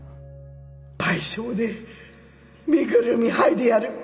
賠償で身ぐるみ剥いでやる。